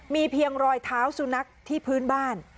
มีเพียงรอยเท้าสุนัขที่พื้นบ้าน